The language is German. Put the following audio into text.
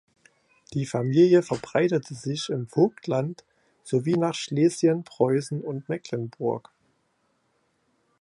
Die Familie verbreitete sich im Vogtland sowie nach Schlesien, Preußen und Mecklenburg.